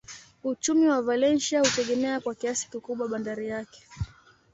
Uchumi wa Valencia hutegemea kwa kiasi kikubwa bandari yake.